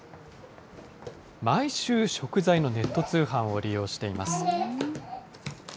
毎週、食材のネット通販を利用しています。